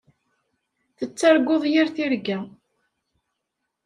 Tettarguḍ yir tirga.